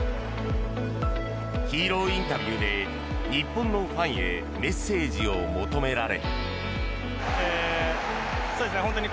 ヒーローインタビューで日本のファンへメッセージを求められ。